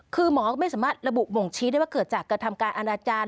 คือหมอไม่สามารถระบุบ่งชี้ได้ว่าเกิดจากกระทำการอนาจารย์